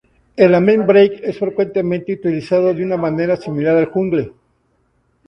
El amen break es frecuentemente utilizado de una manera similar al jungle.